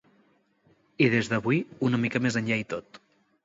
I, des d’avui, una mica més enllà i tot.